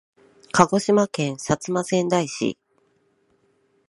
鹿児島県薩摩川内市